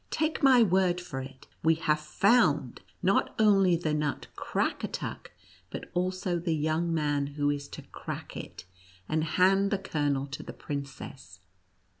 Take my word for it, we have found, not only the nut Crackatuck, but also the young man who is to crack it, and hand the kernel to the princess.